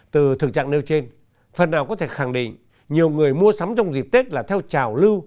từ thực trạng nêu trên phần nào có thể khẳng định nhiều người mua sắm trong dịp tết là theo trào lưu